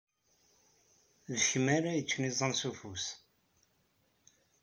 D kemm ara yeččen iẓẓan s ufus.